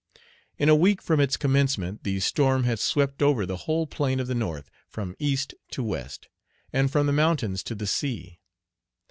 In a week from its commencement the storm had swept over the whole plain of the North, from east to west, and from the mountains to the sea.